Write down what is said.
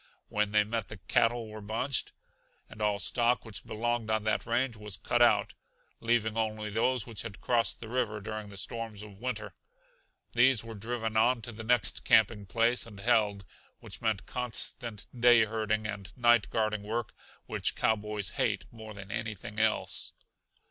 When they met the cattle were bunched, and all stock which belonged on that range was cut out, leaving only those which had crossed the river during the storms of winter. These were driven on to the next camping place and held, which meant constant day herding and night guarding work which cowboys hate more than anything else.